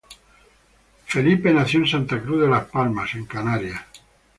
Felipe nació en Santa Cruz de la Palma en Canarias.